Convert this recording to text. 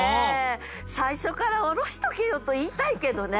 「最初からおろしとけよ」と言いたいけどね。